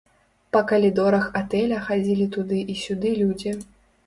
Па калідорах атэля хадзілі туды і сюды людзі.